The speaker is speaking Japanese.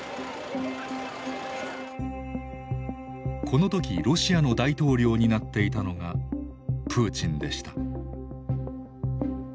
この時ロシアの大統領になっていたのがプーチンでした。